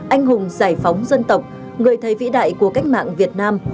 anh hùng giải phóng dân tộc người thầy vĩ đại của cách mạng việt nam